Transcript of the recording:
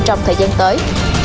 trong thời gian tới